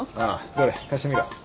どれ貸してみろ